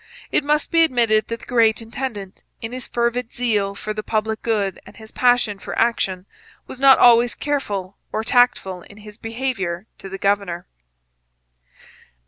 It must be admitted that the great intendant, in his fervid zeal for the public good and his passion for action, was not always careful or tactful in his behaviour to the governor.